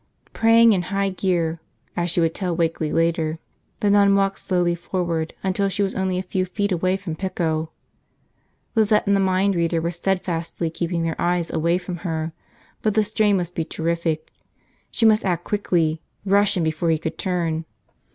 Praying in high gear, as she would tell Wakeley later, the nun walked slowly forward until she was only a few feet away from Pico. Lizette and the mind reader were steadfastly keeping their eyes away from her; but the strain must be terrific, she must act quickly, rush him before he could turn.